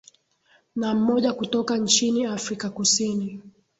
na mmoja kutoka nchini afrika kusini